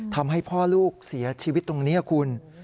ทำให้พ่อลูกเสียชีวิตตรงนี้คุณ